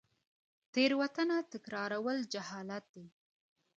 تیروتنه تکرارول جهالت دی